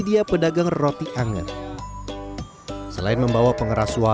mampu menjual sekitar